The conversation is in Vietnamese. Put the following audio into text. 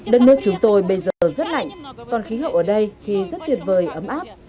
đất nước chúng tôi bây giờ rất lạnh còn khí hậu ở đây thì rất tuyệt vời ấm áp